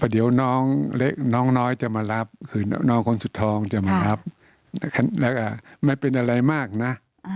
เดี๋ยวน้องเล็กน้องน้อยจะมารับคือน้องคนสุดท้องจะมารับแล้วก็ไม่เป็นอะไรมากนะ